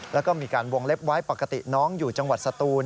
แล้วก็มีการวงเล็บไว้ปกติน้องอยู่จังหวัดสตูน